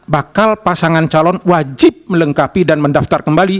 bakal pasangan calon wajib melengkapi dan mendaftar kembali